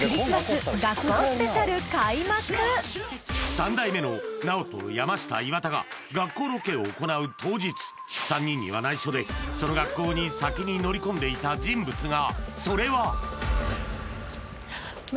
三代目のＮＡＯＴＯ、山下、岩田が学校ロケを行う当日、３人には内緒でその学校に先に乗り込んでいた人物が。